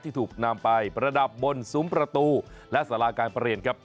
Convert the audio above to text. ถูกนำไปประดับบนซุ้มประตูและสาราการประเรียนครับ